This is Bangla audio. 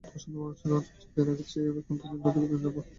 প্রশান্ত মহাসাগরীয় অঞ্চল চার দিন আগের চেয়ে এখন অবশ্যই অধিকতর নিরাপদ।